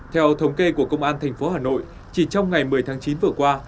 theo thống kê của công an thành phố hà nội chỉ trong ngày một mươi tháng chín vừa qua